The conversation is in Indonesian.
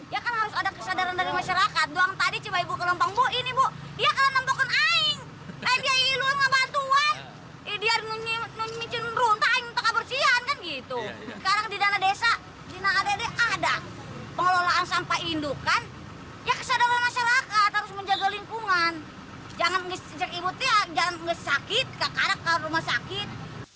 jangan mengecek imutnya jangan mengecek sakit karena kalau rumah sakit